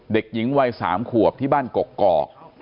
เด็กหญิงวัย๓ขวบที่บ้านกกอก